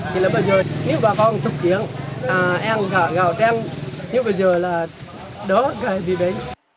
thì là bây giờ nếu bà con thúc kiếm ăn gạo đen như bây giờ là đó gạo bị bệnh